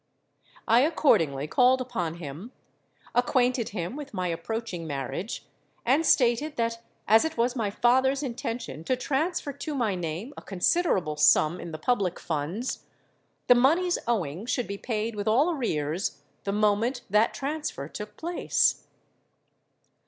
I accordingly called upon him, acquainted him with my approaching marriage, and stated that as it was my father's intention to transfer to my name a considerable sum in the public funds, the monies owing should be paid with all arrears the moment that transfer took place.